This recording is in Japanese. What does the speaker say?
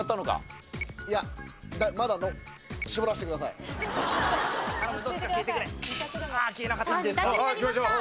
いきましょう。